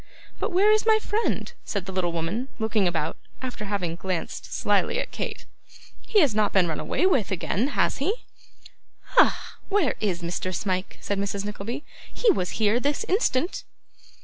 But where is my friend?' said the little woman, looking about, after having glanced slyly at Kate. 'He has not been run away with again, has he?' 'Ah! where is Mr. Smike?' said Mrs. Nickleby; 'he was here this instant.